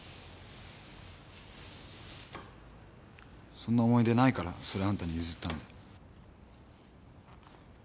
そんな思い出ないからそれあんたに譲ったんだよ。